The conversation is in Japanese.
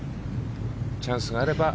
チャンスがあれば。